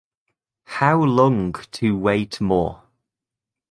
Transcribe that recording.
How long to wait more?